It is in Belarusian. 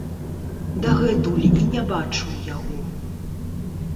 Дагэтуль і не бачыў яго.